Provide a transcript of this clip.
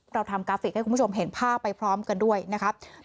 เราทำกราฟิกให้คุณผู้ชมเห็นภาพไปพร้อมกันด้วยนะครับ